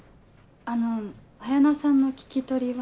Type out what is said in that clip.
あの彩菜さんの聞き取りは。